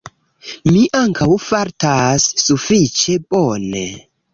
Mi ankaŭ fartas sufiĉe bone